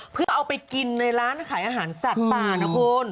เพื่อเอาไปกินในร้านขายอาหารสัตว์ป่านะคุณ